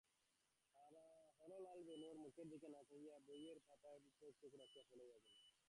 হরলাল বেণুর মুখের দিকে না চাহিয়া বইয়ের পাতার উপর চোখ রাখিয়া পড়াইয়া গেল।